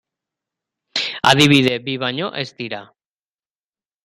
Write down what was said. Adibide bi baino ez dira.